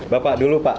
bapak dulu pak